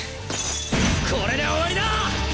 これで終わりだ！